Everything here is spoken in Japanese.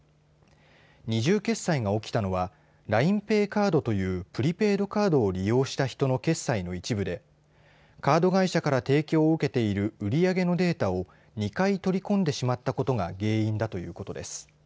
二重決済が起きたのはＬＩＮＥＰａｙカードというプリペイドカードを利用した人の決済の一部でカード会社から提供を受けている売り上げのデータを２回、取り込んでしまったことが原因だということです。